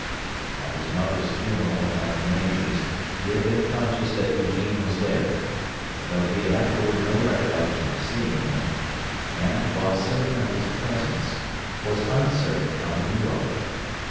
At his mother's funeral and at the Major's he had been conscious that Eugene was there: though he had afterward no recollection of seeing him, and, while certain of his presence, was uncertain how he knew of it.